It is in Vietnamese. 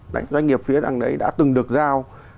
doanh nghiệp phía đằng đấy đã từng được giao